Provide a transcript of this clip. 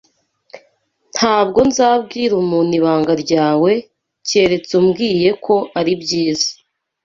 Ntabwo nzabwira umuntu ibanga ryawe keretse umbwiye ko ari byiza.